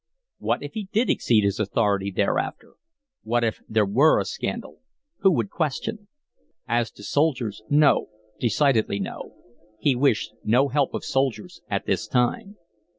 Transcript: What if he did exceed his authority thereafter? What if there were a scandal? Who would question? As to soldiers no, decidedly no. He wished no help of soldiers at this time.